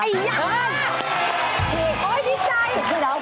ขอบพี่ใจ